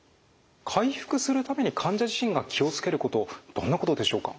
回復するために患者自身が気を付けることどんなことでしょうか？